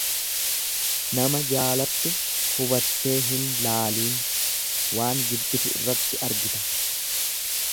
Nama jaalattu hubattee hin laaliin waan jibbitu irratti argita.